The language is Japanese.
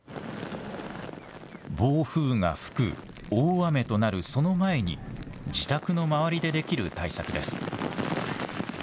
暴風が吹く、大雨となるその前に自宅の周りでできる対策です。